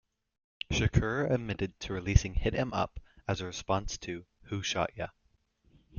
Shakur admitted to releasing "Hit 'Em Up" as a response to "Who Shot Ya?